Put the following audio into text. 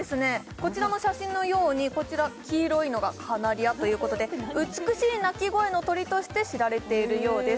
こちらの写真のようにこちら黄色いのがカナリアということで美しい鳴き声の鳥として知られているようです